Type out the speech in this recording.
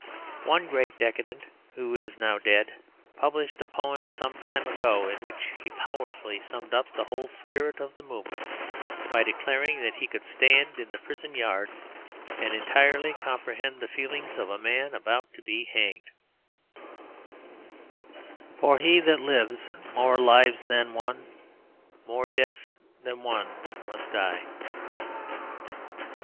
One great decadent, who is now dead, published a poem some time ago, in which he powerfully summed up the whole spirit of the movement by declaring that he could stand in the prison yard and entirely comprehend the feelings of a man about to be hanged: 'For he that lives more lives than one More deaths than one must die.'